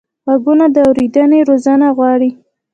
غوږونه د اورېدنې روزنه غواړي